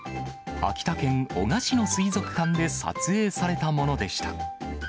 秋田県男鹿市の水族館で撮影されたものでした。